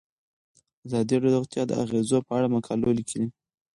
ازادي راډیو د روغتیا د اغیزو په اړه مقالو لیکلي.